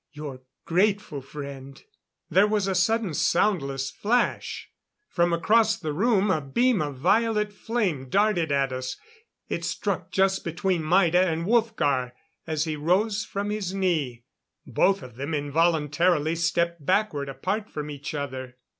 Your grateful friend." There was a sudden soundless flash. From across the room a beam of violet flame darted at us. It struck just between Maida and Wolfgar, as he rose from his knee. Both of them involuntarily stepped backward, apart from each other.